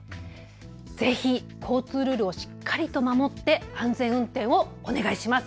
ぜひ交通ルールをしっかりと守って安全運転をお願いします。